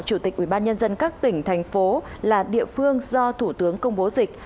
chủ tịch ubnd các tỉnh thành phố là địa phương do thủ tướng công bố dịch